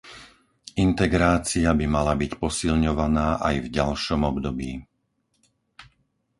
Integrácia by mala byť posilňovaná aj v ďalšom období.